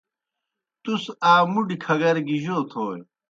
تُس آ مُڈیْ کھگَر گیْ جوْ تھوئے؟